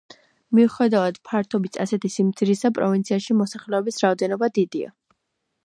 მიუხედავად ფართობის ასეთი სიმცირისა, პროვინციაში მოსახლეობის რაოდენობა დიდია.